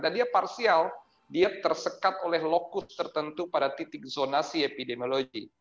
dan dia parsial dia tersekat oleh lokus tertentu pada titik zonasi epidemiologi